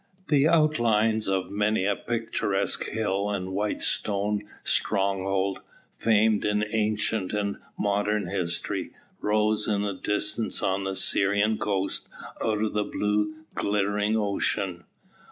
The outlines of many a picturesque hill and white stone stronghold, famed in ancient and modern history, rose in the distance on the Syrian coast out of the blue glittering ocean.